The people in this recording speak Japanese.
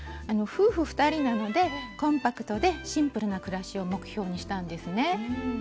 夫婦２人なのでコンパクトでシンプルな暮らしを目標にしたんですね。